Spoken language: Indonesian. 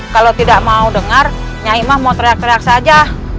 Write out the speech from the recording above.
kalau tidak mau dengar nyai mah mau teriak teriak saja